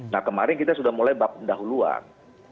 nah kemarin kita sudah mulai dahuluan